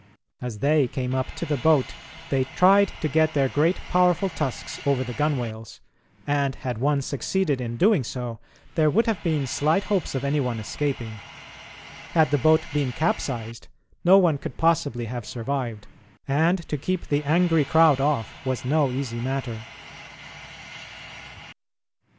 As they came up to the boat, they tried to get their great powerful tusks over the gunwales, and, had one succeeded in doing so, there would have been slight hopes of any one escaping. Had the boat been capsized, no one could possibly have survived, and to keep the angry crowd off was no easy matter.